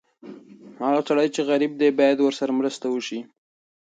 هغه سړی چې غریب دی، باید ورسره مرسته وشي.